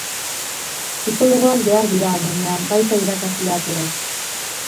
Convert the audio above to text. Psikologoak behar dira baina, baita irakasleak ere.